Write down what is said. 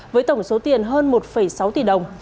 với tổng số tiền hơn một sáu tỷ đồng